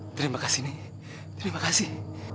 terima kasih nih terima kasih